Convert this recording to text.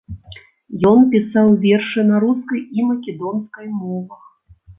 Ён пісаў вершы на рускай і македонскай мовах.